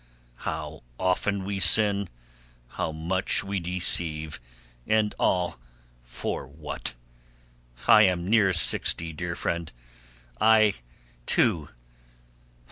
"How often we sin, how much we deceive, and all for what? I am near sixty, dear friend... I too...